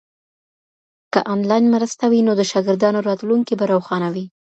که انلاین مرسته وي نو د شاګردانو راتلونکی به روښانه وي.